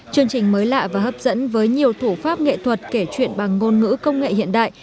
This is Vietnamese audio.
chương trình mới lạ và hấp dẫn với nhiều thủ pháp nghệ thuật kể chuyện bằng ngôn ngữ công nghệ hiện đại